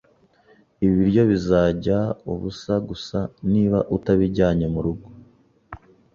Ibi biryo bizajya ubusa gusa niba utabijyanye murugo